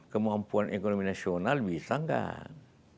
kemampuan ekonomi nasional bisa nggak